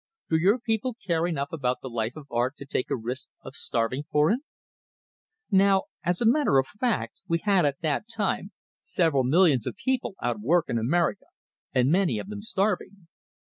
Do your people care enough about the life of art to take a risk of starving for it?" Now, as a matter of fact, we had at that time several millions of people out of work in America, and many of them starving.